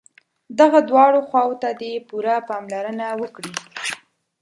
دغو دواړو خواوو ته دې پوره پاملرنه وکړي.